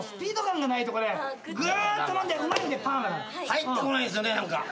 入ってこないんすよね何か。